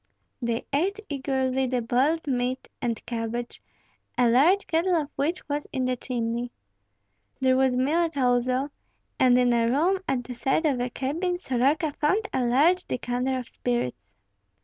They ate eagerly the boiled meat and cabbage, a large kettle of which was in the chimney. There was millet also, and in a room at the side of the cabin Soroka found a large decanter of spirits.